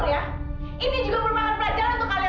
do yang bener do yang bener